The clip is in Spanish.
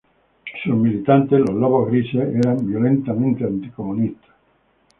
Sus militantes, los Lobos Grises, eran violentamente anticomunistas.